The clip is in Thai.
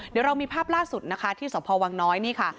เดี๋ยวเรามีภาพล่าสุดที่สพนนี่ค่ะ